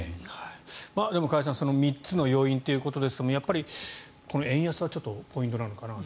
でも、加谷さん３つの要因ということですがこの円安はちょっとポイントなのかなと。